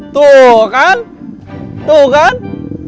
tuh kan tuh kan tadi lo bilang apa